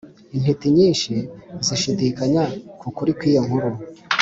intiti nyinshi zishidikanya ku kuri kw’iyo nkuru.